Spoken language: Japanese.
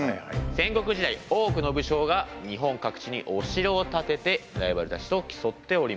戦国時代多くの武将が日本各地にお城を建ててライバルたちと競っておりました。